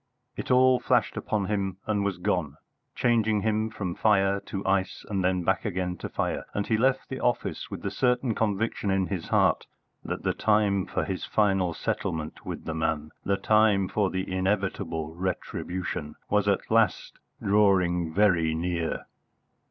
It all flashed upon him and was gone, changing him from fire to ice, and then back again to fire; and he left the office with the certain conviction in his heart that the time for his final settlement with the man, the time for the inevitable retribution, was at last drawing very near.